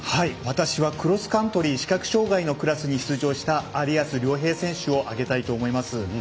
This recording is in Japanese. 私はクロスカントリー視覚障がいのクラスに出場した有安諒平選手を挙げたいと思います。